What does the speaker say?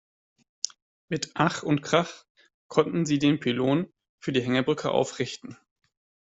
Mit Ach und Krach konnten sie den Pylon für die Hängebrücke aufrichten.